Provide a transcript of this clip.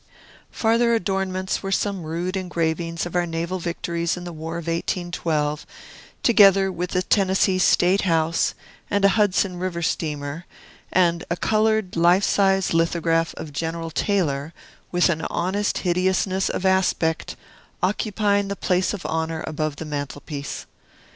Farther adornments were some rude engravings of our naval victories in the War of 1812, together with the Tennessee State House, and a Hudson River steamer, and a colored, life size lithograph of General Taylor, with an honest hideousness of aspect, occupying the place of honor above the mantel piece.